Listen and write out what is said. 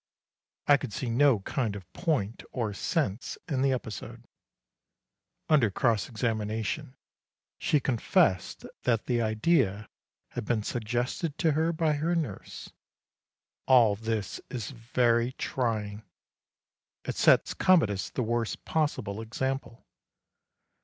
I could see no kind of point or sense in the episode. Under cross examination, she confessed that the idea had been suggested to her by her nurse. All this is very trying. It sets Commodus the worst possible example.